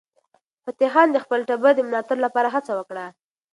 فتح خان د خپل ټبر د ملاتړ لپاره هڅه وکړه.